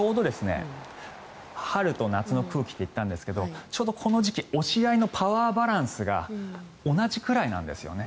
春と夏の空気って言ったんですがちょうどこの時期押し合いのパワーバランスが同じくらいなんですよね。